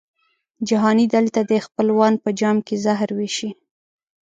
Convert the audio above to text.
جهاني دلته دي خپلوان په جام کي زهر وېشي